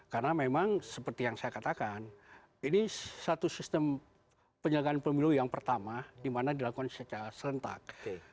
karena memang seperti yang saya katakan ini satu sistem penyelenggaraan pemilu yang pertama dimana dilakukan secara serentak